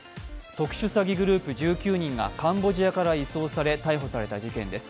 特殊詐欺グループ１９人がカンボジアから移送され逮捕された事件です。